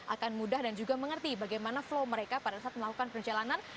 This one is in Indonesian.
akan mudah dan juga mengerti bagaimana flow mereka pada saat melakukan perjalanan